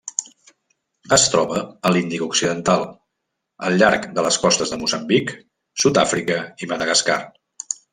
Es troba a l'Índic occidental: al llarg de les costes de Moçambic, Sud-àfrica i Madagascar.